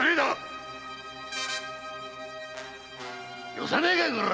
⁉よさねえかこら！